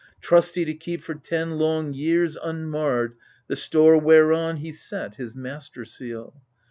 Trusty to keep for ten long years unmarred The store whereon he set his master seal.